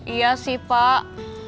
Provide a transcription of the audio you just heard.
iya sih pak